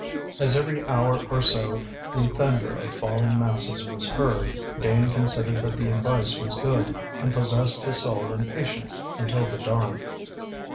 As every hour or so the thunder of falling masses was heard, Dane considered that the advice was good, and possessed his soul in patience until the dawn.